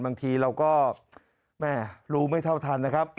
บางทีเราก็แม่รู้ไม่เท่าทันนะครับ